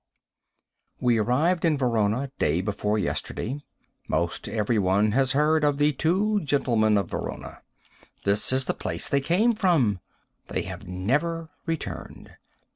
We arrived in Verona day before yesterday. Most every one has heard of the Two Gentlemen of Verona. This is the place they came from. They have never returned.